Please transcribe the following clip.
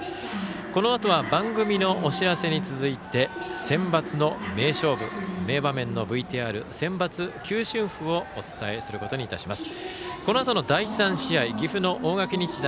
このあとは番組のお知らせに続いてセンバツの名勝負名場面のＶＴＲセンバツ球春譜をお伝えすることにいたします。